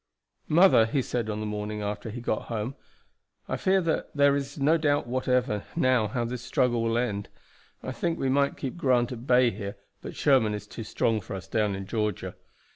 "Mother," he said on the morning after he got home, "I fear that there is no doubt whatever now how this struggle will end. I think we might keep Grant at bay here, but Sherman is too strong for us down in Georgia.